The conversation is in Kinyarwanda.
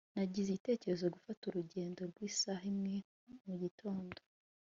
nagize itegeko gufata urugendo rw'isaha imwe mugitondo